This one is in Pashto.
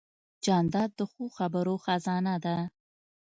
جانداد د ښو خبرو خزانه ده.